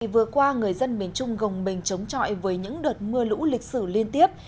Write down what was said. vừa qua người dân miền trung gồng mình chống chọi với những đợt mưa lũ lịch sử liên tiếp